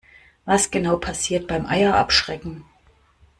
Was genau passiert beim Eier abschrecken?